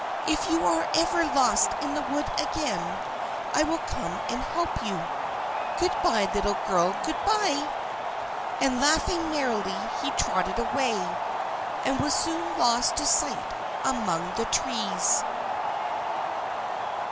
If you are ever lost in the wood again, I will come and help you! Good bye, little girl! Good bye!" And laughing merrily, he trotted away, and was soon lost to sight among the trees.